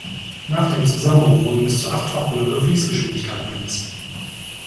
Nach dem Zusammenbruch wurden bis zu achtfach höhere Fließgeschwindigkeiten gemessen.